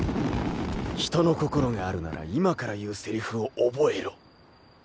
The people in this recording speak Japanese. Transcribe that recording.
人の心があるなら今から言うセリフを覚えろ。